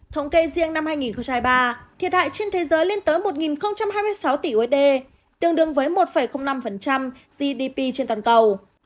thống kê riêng năm hai nghìn hai mươi ba thiệt hại trên thế giới lên tới một hai mươi sáu tỷ usd tương đương với một năm gdp trên toàn cầu